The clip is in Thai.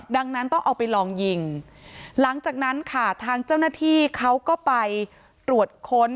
ดังนั้นต้องเอาไปลองยิงหลังจากนั้นค่ะทางเจ้าหน้าที่เขาก็ไปตรวจค้น